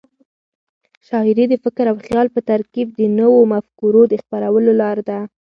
شاعري د فکر او خیال په ترکیب د نوو مفکورو د خپرولو لار ده.